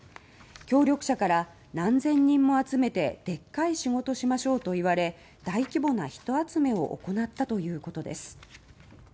協力者から「何千人も集めてでっかい仕事しましょう」と言われ大規模な人集めを行ったということです。